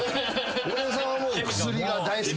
大竹さんはもう薬が大好き。